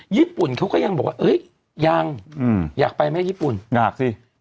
ญี่ปุ่นเขาก็ยังบอกว่ายังอยากไปไหมญี่ปุ่นอยากสิ